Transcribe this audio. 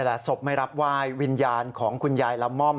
ศพไม่รับไหว้วิญญาณของคุณยายละม่อม